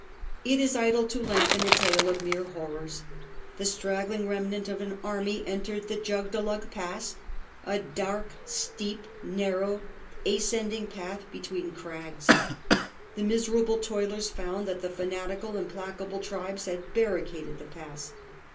It is idle to lengthen a tale of mere horrors. The straggling remnant of an army entered the Jugdulluk Pass — a dark, steep, narrow, ascending path between crags. The miser able toilers found that the fanatical, implacable tribes had barricaded the pass.